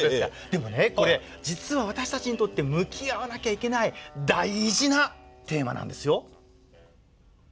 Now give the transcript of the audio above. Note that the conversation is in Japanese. でもねこれ実は私たちにとって向き合わなきゃいけない大事なテーマなんですよ。